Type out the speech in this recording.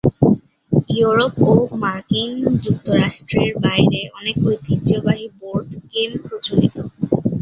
Europe ও মার্কিন যুক্তরাষ্ট্রের বাইরে, অনেক ঐতিহ্যবাহী বোর্ড গেম প্রচলিত।